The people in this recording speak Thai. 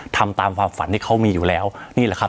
ทำตามความฝันที่เขามีอยู่แล้วนี่แหละครับ